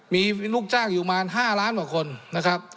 มีลูกจ้างอยู่มา๕ล้านบาทคนนะครับ